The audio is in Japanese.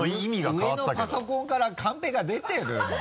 上のパソコンからカンペが出てるの？